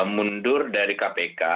mundur dari kpk